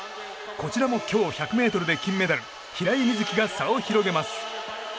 こちらも今日１００ｍで金メダル、平井瑞希が差を広げます。